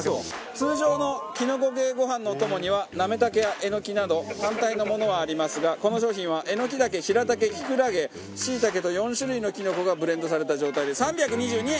通常のきのこ系ご飯のお供にはなめ茸やえのきなど単体のものはありますがこの商品はえのきだけひらたけキクラゲしいたけと４種類のきのこがブレンドされた状態で３２２円。